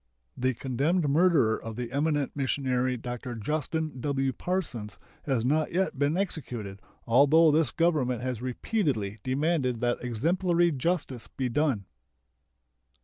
The condemned murderer of the eminent missionary Dr. Justin W. Parsons has not yet been executed, although this Government has repeatedly demanded that exemplary justice be done.